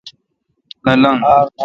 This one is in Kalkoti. نہ لنگ۔